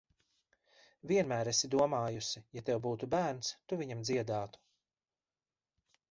Vienmēr esi domājusi, ja tev būtu bērns, tu viņam dziedātu.